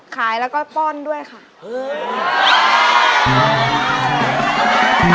ขายแล้วก็ป้อนด้วยค่ะ